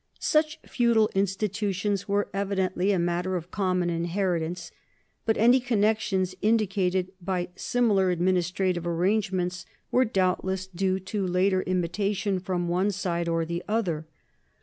Such feudal institutions were evidently a matter of common inheritance, but any connections indicated by similar administrative arrangements were doubtless due to later imitation from one side or the other.